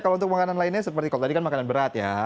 kalau untuk makanan lainnya seperti kalau tadi kan makanan berat ya